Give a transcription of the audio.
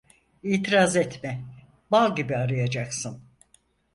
İtiraz etme, bal gibi arayacaksın.